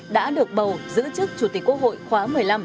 đã được bầu giữ chức chủ tịch quốc hội khóa một mươi năm